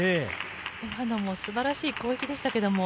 今のも素晴らしい攻撃でした。